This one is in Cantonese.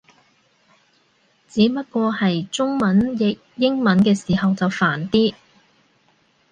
只不過係中文譯英文嘅時候就煩啲